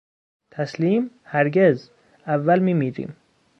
تسلیم؟ هرگز! اول میمیریم!